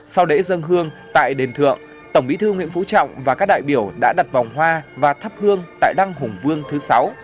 sau lễ dân hương tại đền thượng tổng bí thư nguyễn phú trọng và các đại biểu đã đặt vòng hoa và thắp hương tại đăng hùng vương thứ sáu